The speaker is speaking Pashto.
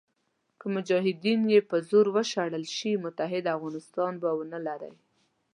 که مجاهدین په زور وشړل شي متحد افغانستان به ونه لرئ.